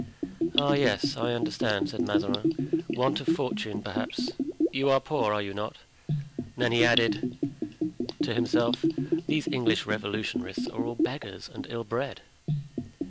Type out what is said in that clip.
"Ah, yes, I understand," said Mazarin; "want of fortune, perhaps. You are poor, are you not?" Then he added to himself: "These English Revolutionists are all beggars and ill bred."